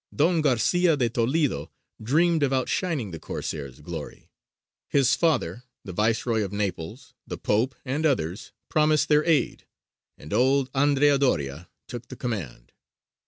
Don Garcia de Toledo dreamed of outshining the Corsair's glory. His father, the Viceroy of Naples, the Pope, and others, promised their aid, and old Andrea Doria took the command.